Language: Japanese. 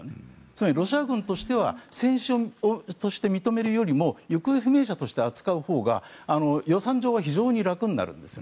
つまりロシア軍としては戦死として認めるよりも行方不明者として扱うほうが予算上は非常に楽になるんです。